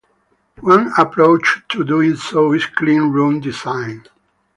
One approach to doing so is clean room design.